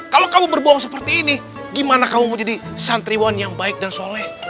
kalau kamu berbohong seperti ini gimana kamu mau jadi santriwan yang baik dan soleh